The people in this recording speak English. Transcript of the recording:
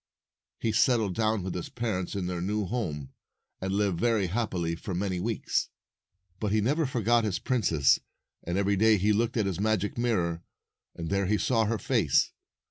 He settled down with his parents in their new home, and lived very happily for many weeks. 255 But he never forgot his princess, and every day he looked at his magic mirror, and there he saw her face.